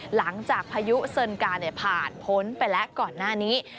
หลังจากพายุศรกาเนี่ยผ่านผนไปและก่อนหน้านี้